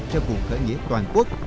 cho cuộc khởi nghĩa toàn quốc